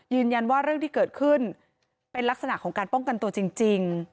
เรื่องที่เกิดขึ้นเป็นลักษณะของการป้องกันตัวจริง